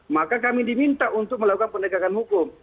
maka kami diminta untuk melakukan penegakan hukum